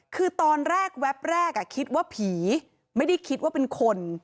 คือตอนแรกแวบแรกคิดว่าผีไม่ได้คิดว่าเป็นคน